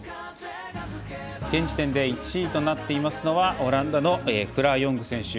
現時点で１位となっていますのはオランダのフラー・ヨング選手。